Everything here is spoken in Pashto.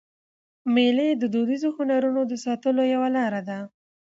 مېلې د دودیزو هنرونو د ساتلو یوه لاره ده.